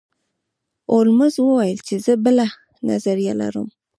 هولمز وویل چې زه بله نظریه لرم.